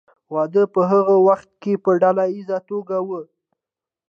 واده په هغه وخت کې په ډله ایزه توګه و.